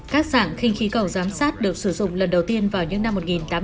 các sản khinh khí cầu giám sát được sử dụng lần đầu tiên vào những năm một nghìn tám trăm linh